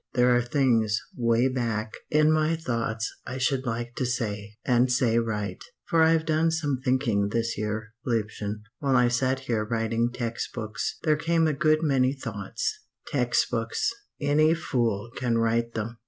There are things 'way back in my thoughts I should like to say, and say right. For I've done some thinking this year, liebchen while I sat here writing text books there came a good many thoughts. "Text books any fool can write them!